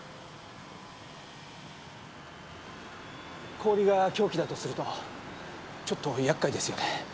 氷が凶器だとするとちょっと厄介ですよね。